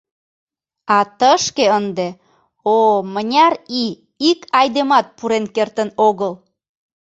А тышке ынде, о, мыняр ий ик айдемат пурен кертын огыл.